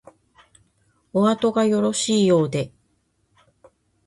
おあとがよろしいようで